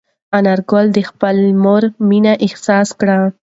انارګل د خپلې مور مینه حس کړه.